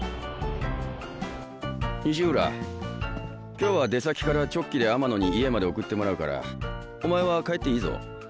西浦今日は出先から直帰で天野に家まで送ってもらうからお前は帰っていいぞ。